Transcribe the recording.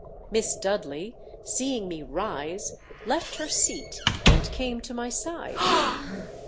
Miss Dudley, seeing me rise, left her seat, and came to my side.